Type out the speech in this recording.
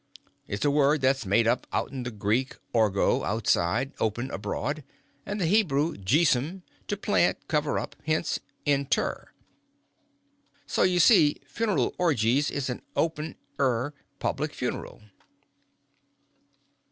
It's a word that's made up out'n the Greek orgo, outside, open, abroad; and the Hebrew jeesum, to plant, cover up; hence in_ter._ So, you see, funeral orgies is an open er public funeral."